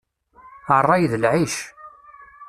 Ṛṛay d lɛic.